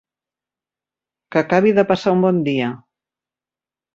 Que acabi de passar un bon dia.